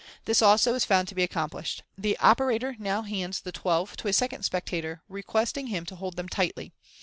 This, also, is found to be accomplished. The operator now hands the twelve to a second spectator, requesting him to hold them tightly.